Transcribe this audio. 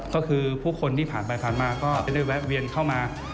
ก็คือผู้คนที่ผ่านไปผ่านมาก็ได้แวะเวียนเข้ามา